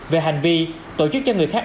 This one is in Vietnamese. về hành vi tổ chức cho người khác